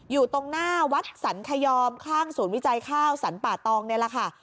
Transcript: อยู่ตรงหน้าวัดสรรคยอมข้างศูนย์วิจัยข้าวสรรป่าตองนี่แหละค่ะ